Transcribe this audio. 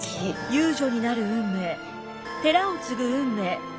遊女になる運命寺を継ぐ運命。